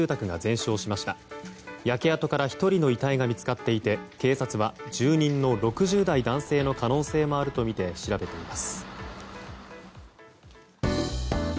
焼け跡から１人の遺体が見つかっていて警察は住人の６０代男性の可能性もあるとみて調べています。